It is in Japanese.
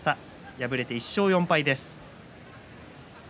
敗れて１勝４敗です。